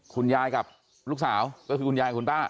คุณยายกับลูกสาวก็คือคุณยายคุณป้า